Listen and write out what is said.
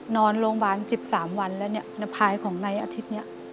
นอนโรงพยาบาล๑๓วันแล้วในภายของในอาทิตย์นี้